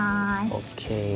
ＯＫ。